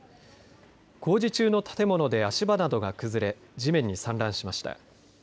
工事中の建物で足場などが崩れ地面に散乱しました。